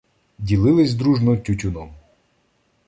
Ділились дружно тютюном.